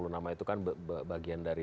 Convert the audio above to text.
sepuluh nama itu kan bagian dari